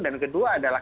dan kedua adalah